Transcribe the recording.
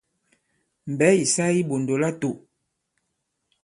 Mbɛ̌ ì sa i iɓòndò latō.